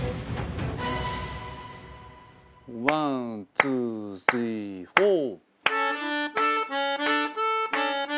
ワンツースリーフォー。